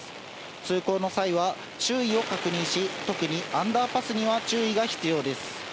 通行の際は、周囲を確認し、特にアンダーパスには注意が必要です。